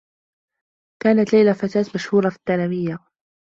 كانت ليلى فتاة مشهورة في الثّانويّة.